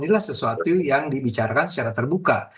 inilah sesuatu yang dibicarakan secara terbuka